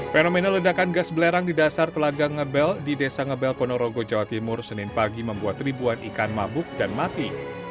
fenomena ledakan gas belerang di dasar telaga ngebel di desa ngebel ponorogo jawa timur senin pagi membuat ribuan ikan mabuk dan mati